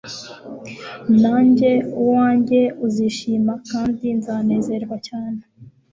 nanjye uwanjye uzishima kandi nzanezerwa cyane